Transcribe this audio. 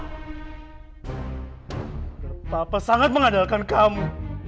tidak apa apa sangat mengandalkan kamu